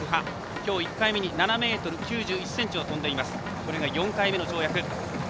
きょう１回目に７ｍ９１ｃｍを跳んでいます。これが４回目の跳躍です。